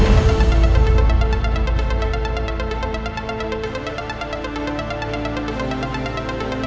jangan sampai dia terburu buru